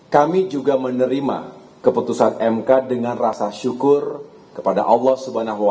kami juga menerima keputusan mk dengan rasa syukur kepada allah swt tuhan yang maha kuasa